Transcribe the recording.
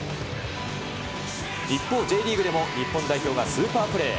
一方Ｊリーグでも、日本代表がスーパープレー。